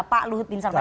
pak luhut bin sarpanitan